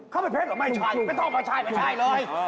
เขาเป็นเพชรเหรอไม่ใช่ไม่ต้องไม่ใช่ไม่ใช่เลย